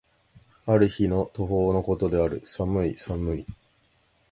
ある日の暮方の事である。寒い寒い。